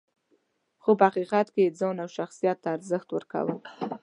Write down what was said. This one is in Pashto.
خو په حقیقت کې یې ځان او شخصیت ته ارزښت ورکول .